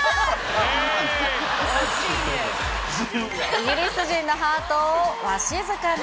イギリス人のハートをわしづかみ。